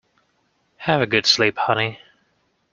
Have a good sleep honey.